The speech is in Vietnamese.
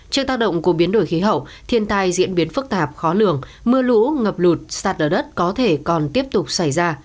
trước tác động của biến đổi khí hậu thiên tai diễn biến phức tạp khó lường mưa lũ ngập lụt sạt lở đất có thể còn tiếp tục xảy ra